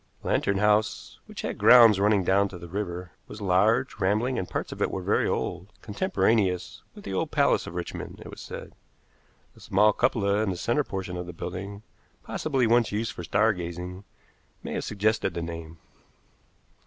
Lantern House, which had grounds running down to the river, was large, rambling, and parts of it were very old, contemporaneous with the old Palace of Richmond, it was said. A small cupola in the central portion of the building, possibly once used for star gazing, may have suggested the name.